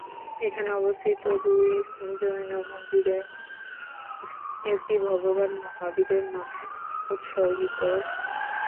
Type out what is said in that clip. এখানে অবস্থিত দুটি জৈন মন্দিরের একটি ভগবান মহাবীরের নামে উৎসর্গীকৃত।